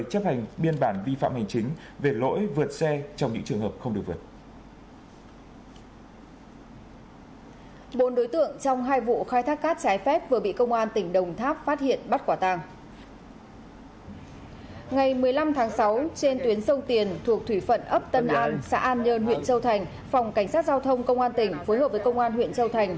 huyện châu thành phòng cảnh sát giao thông công an tỉnh phối hợp với công an huyện châu thành